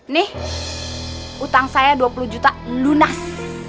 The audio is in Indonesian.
nih utang saya dua puluh juta lunas